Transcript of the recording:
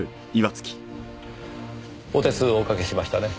お手数をおかけしましたね。